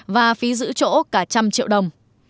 và phí giữ chỗ cả trăm triệu đồng